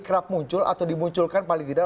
kerap muncul atau dimunculkan paling tidak